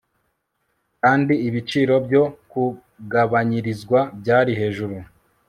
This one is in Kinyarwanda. kandi ibiciro byo kugabanyirizwa byari hejuru